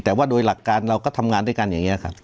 แต่ว่าโดยหลักการเราก็ทำงานด้วยกันอย่างนี้ครับ